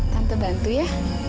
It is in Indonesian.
tante bantu ya